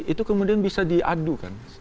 itu kemudian bisa diadukan